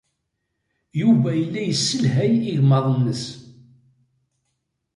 Yuba yella yesselhay igmaḍ-nnes.